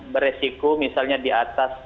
beresiko misalnya di atas